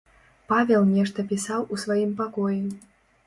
Павел нешта пісаў у сваім пакоі.